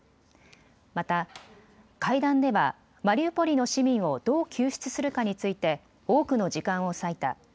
また会談ではマリウポリの市民をどう救出するかについて多くの時間を割いた。